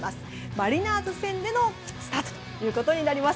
マリナーズ戦でのスタートとなります。